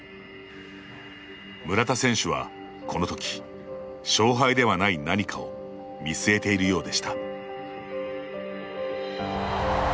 村田選手は、このとき勝敗ではない何かを見据えているようでした。